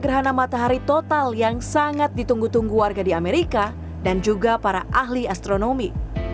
gerhana matahari total yang sangat ditunggu tunggu warga di amerika dan juga para ahli astronomi